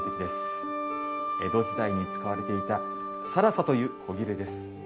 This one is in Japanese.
江戸時代に使われていた更紗という古裂です。